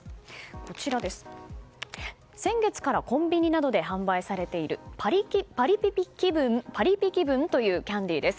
こちら、先月からコンビニなどで販売されているパリピ気分というキャンディーです。